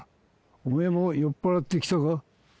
おめぇも酔っぱらって来たか？